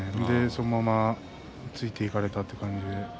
そのままついていかれたという感じです。